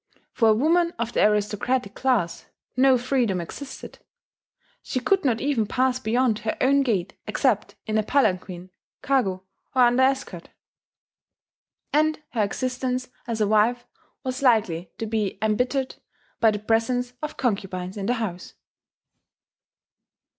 For a woman of the aristocratic class no freedom existed: she could not even pass beyond her own gate except in a palanquin (kago) or under escort; and her existence as a wife was likely to be embittered by the presence of concubines in the house.